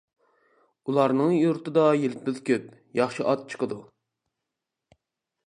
ئۇلارنىڭ يۇرتىدا يىلپىز كۆپ، ياخشى ئات چىقىدۇ.